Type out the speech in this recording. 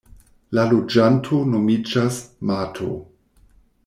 La loĝanto nomiĝas "mato".